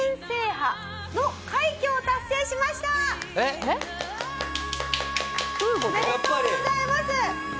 やっぱり。おめでとうございます！